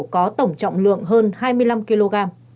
có tổng trọng lượng hơn hai mươi năm kg